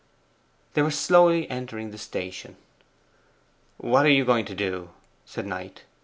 They were slowly entering the station. 'What are you going to do?' said Knight.